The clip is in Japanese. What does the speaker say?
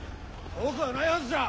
遠くはないはずじゃ。